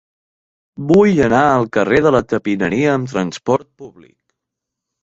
Vull anar al carrer de la Tapineria amb trasport públic.